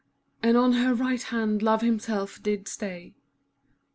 And on her right hand Love himself did stay.